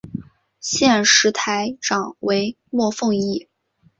现时台长为莫凤仪。